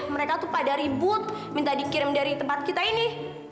mereka tuh pada ribut minta dikirim dari tempat kita ini